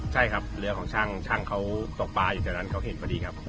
ใช่ครับเรือของช่างช่างเขาตกปลาอยู่แถวนั้นเขาเห็นพอดีครับ